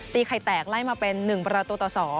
ไข่แตกไล่มาเป็น๑ประตูต่อ๒